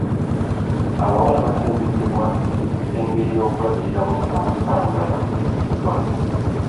Abawala batendekebwa engeri y'okulabiriramu amaka nga bafumbiddwa.